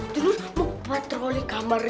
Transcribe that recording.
junur mau patroli kamarnya